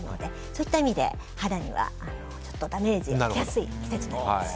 そういった意味で肌にはダメージが起きやすい季節です。